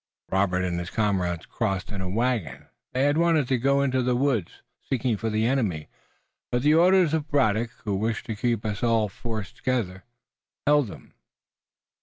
Robert and his comrades crossed in a wagon. They had wanted to go into the woods, seeking for the enemy, but the orders of Braddock, who wished to keep all his force together, held them.